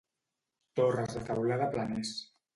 Torres de teulada planers.